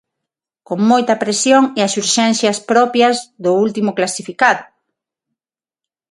Con moita presión e as urxencias propias do último clasificado.